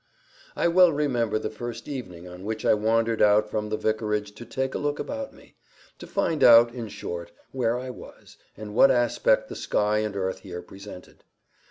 I well remember the first evening on which I wandered out from the vicarage to take a look about me—to find out, in short, where I was, and what aspect the sky and earth here presented.